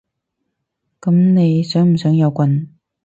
噉你想唔想有棍？